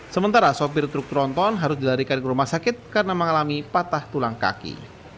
sementara sopir truk tronton harus dilarikan ke rumah sakit karena mengalami patah tulang kaki